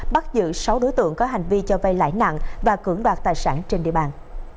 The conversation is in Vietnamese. bắt giữ sáu đối tượng có hành vi cho vay lãi nặng và cưỡng đoạt tài sản trên địa bàn